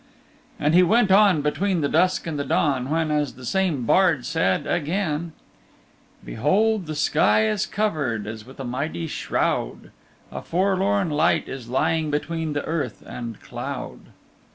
And he went on between the dusk and the dawn, when, as the same bard said again: Behold the sky is covered, As with a mighty shroud: A forlorn light is lying Between the earth and cloud.